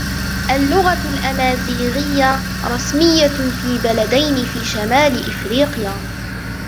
اللغة الامازيغية رسمية في بلدين في شمال إفريقيا.